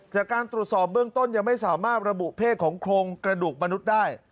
จากการตรวจสอบเบื้องต้นยังไม่สามารถระบุเพศของโครงกระดูกมนุษย์ได้